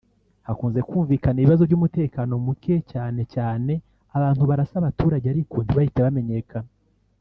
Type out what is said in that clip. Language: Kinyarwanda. hakunze kumvikana ibibazo by’umutekano muke cyane cyane abantu barasa abaturage ariko ntibahite bamenyekana